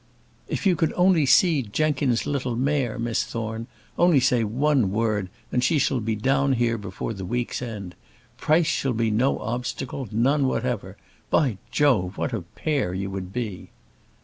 "If you could only see Jenkins's little mare, Miss Thorne! Only say one word, and she shall be down here before the week's end. Price shall be no obstacle none whatever. By Jove, what a pair you would be!"